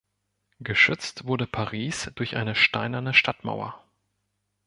Geschützt wurde Paris durch eine steinerne Stadtmauer.